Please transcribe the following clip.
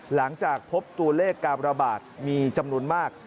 หลังจากพบตัวเลขการระบาดมีจำนวนมาก